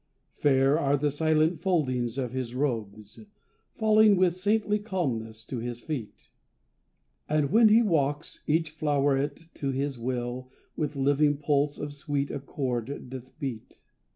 Fair are the silent foldings of his robes, Falling with saintly calmness to his feet; And when he walks, each floweret to his will With living pulse of sweet accord doth beat.